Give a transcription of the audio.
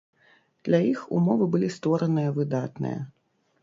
Для іх умовы былі створаныя выдатныя.